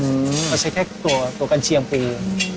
เราใช้แค่ตัวกัญเชียงปี